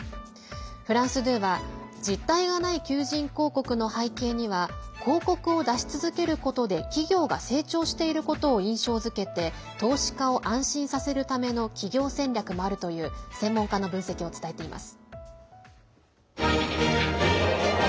フランス２は、実体がない求人広告の背景には広告を出し続けることで、企業が成長していることを印象づけて投資化を安心させるための企業戦略もあるという専門家の分析を伝えています。